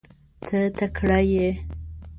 ته تکړه یې .